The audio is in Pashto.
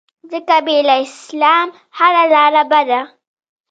ځکه بې له اسلام هره لاره بده